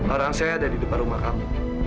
orang saya ada di depan rumah kami